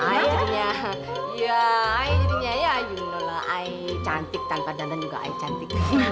saya jadinya ya saya jadinya ya you know lah saya cantik tanpa dandan juga saya cantik